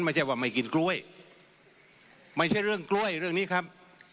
ไม่ใช่ว่าไม่กินกล้วยไม่ใช่เรื่องกล้วยเรื่องนี้ครับ